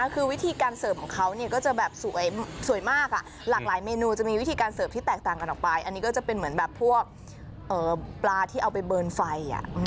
คือวิธีการเสิร์ฟของเขาก็จะแบบสวยมากหลากหลายเมนูจะมีวิธีการเสิร์ฟที่แตกต่างกันออกไปอันนี้ก็จะเป็นเหมือนแบบพวกปลาที่เอาไปเบิร์นไฟ